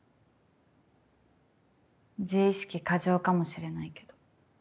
自意識過剰かもしれないけど。